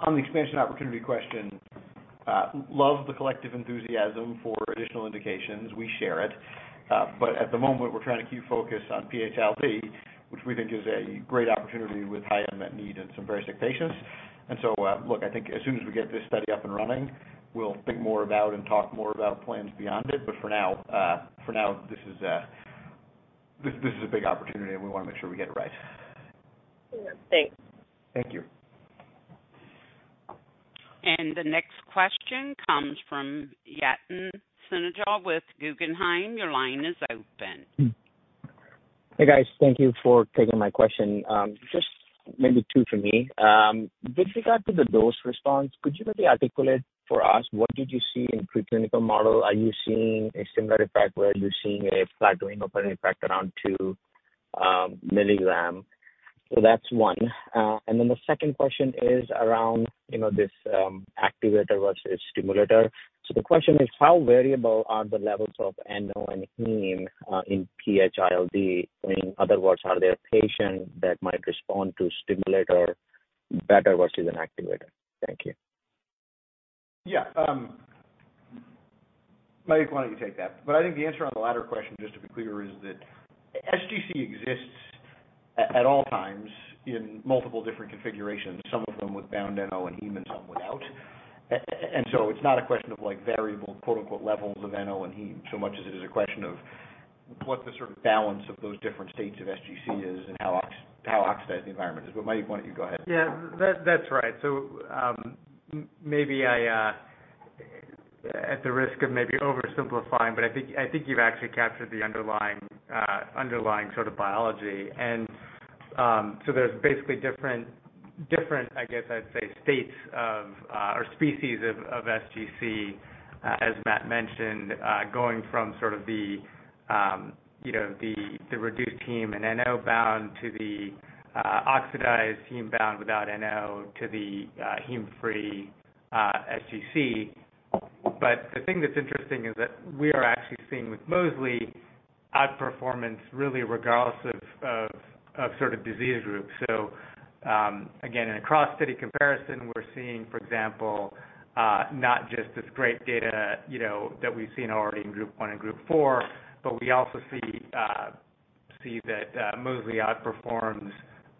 On the expansion opportunity question, love the collective enthusiasm for additional indications. We share it, but at the moment, we're trying to keep focus on PH-ILD, which we think is a great opportunity with high unmet need and some very sick patients. So look, I think as soon as we get this study up and running, we'll think more about and talk more about plans beyond it. But for now, this is a big opportunity, and we wanna make sure we get it right. Thanks. Thank you. And the next question comes from Yatin Suneja with Guggenheim. Your line is open. Hey, guys. Thank you for taking my question. Just maybe two for me. With regard to the dose response, could you maybe articulate for us, what did you see in preclinical model? Are you seeing a similar effect, where you're seeing a plateauing open effect around two milligram? So that's one. And then the second question is around, you know, this, activator versus stimulator. So the question is, how variable are the levels of NO and heme in PH-ILD? In other words, are there patients that might respond to stimulator better versus an activator? Thank you. Yeah, Mayukh, why don't you take that? But I think the answer on the latter question, just to be clear, is that sGC exists at all times in multiple different configurations, some of them with bound NO and heme and some without. And so it's not a question of like variable, quote, unquote, "levels of NO and heme," so much as it is a question of what the sort of balance of those different states of sGC is and how oxidized the environment is. But Mayukh, why don't you go ahead? Yeah, that's right. So, maybe at the risk of maybe oversimplifying, but I think you've actually captured the underlying sort of biology. And so there's basically different, I guess I'd say, states or species of sGC, as Matt mentioned, going from sort of the, you know, the reduced heme and NO bound to the oxidized heme bound without NO, to the heme-free sGC. But the thing that's interesting is that we are actually seeing with Mosley outperformance, really, regardless of sort of disease groups. So, again, in a cross-study comparison, we're seeing, for example, not just this great data, you know, that we've seen already in group one and group four, but we also see that Mosley outperforms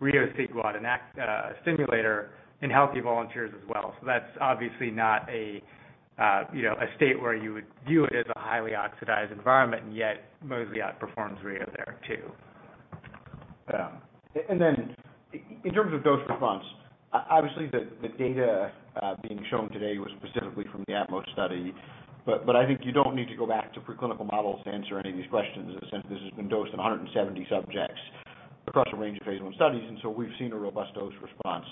riociguat, a stimulator in healthy volunteers as well. So that's obviously not a, you know, a state where you would view it as a highly oxidized environment, and yet Mosley outperforms riociguat there, too. Yeah. And then in terms of dose response, obviously, the data being shown today was specifically from the ATMOS study. But I think you don't need to go back to preclinical models to answer any of these questions, since this has been dosed in 170 subjects across a range of phase I studies. And so we've seen a robust dose response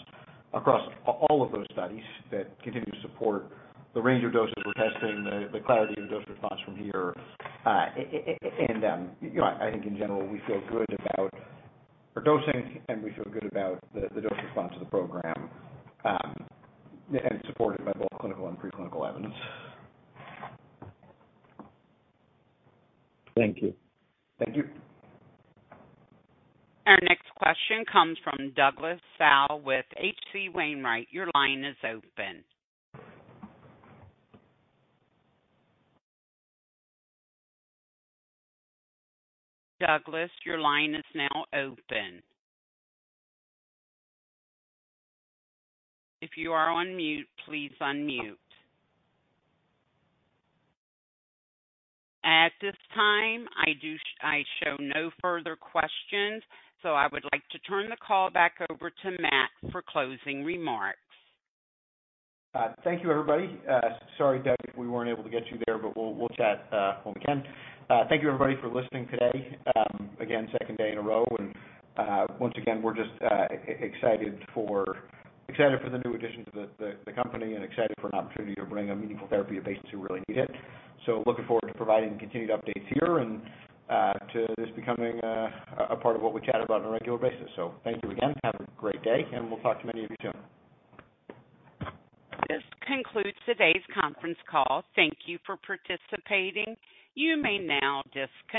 across all of those studies that continue to support the range of doses we're testing, the clarity of the dose response from here. And, you know, I think in general, we feel good about our dosing, and we feel good about the dose response of the program, and it's supported by both clinical and preclinical evidence. Thank you. Thank you. Our next question comes from Douglas Tsao with H.C. Wainwright. Your line is open. Douglas, your line is now open. If you are on mute, please unmute. At this time, I show no further questions, so I would like to turn the call back over to Matt for closing remarks. Thank you, everybody. Sorry, Doug, we weren't able to get you there, but we'll chat when we can. Thank you, everybody, for listening today. Again, second day in a row, and once again, we're just excited for the new additions of the company and excited for an opportunity to bring a meaningful therapy to patients who really need it. So looking forward to providing continued updates here and to this becoming a part of what we chat about on a regular basis. So thank you again. Have a great day, and we'll talk to many of you soon. This concludes today's conference call. Thank you for participating. You may now disconnect.